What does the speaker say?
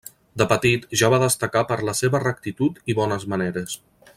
De petit, ja va destacar per la seva rectitud i bones maneres.